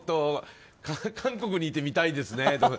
韓国にいて見たいですね。